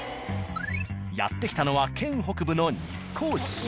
やって来たのは県北部の日光市。